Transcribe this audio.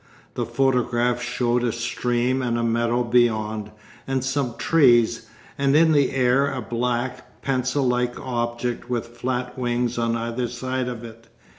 The photograph showed a stream and a meadow beyond, and some trees, and in the air a black, pencil like object with flat wings on either side of it.